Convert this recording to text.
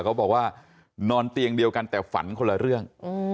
เขาบอกว่านอนเตียงเดียวกันแต่ฝันคนละเรื่อง